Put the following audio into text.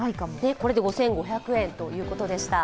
これで５５００円ということでした。